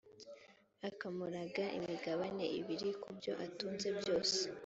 akamuraga imigabane ibiri ku byo atunze byose: